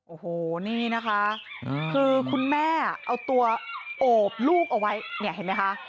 โอ้โหนี่นะคะคือคุณแม่เอาตัวโอบลูกเอาไว้เนี่ยเห็นไหมคะ